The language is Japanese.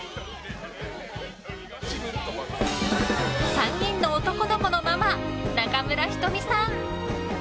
３人の男の子のママ中村仁美さん。